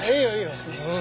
失礼します。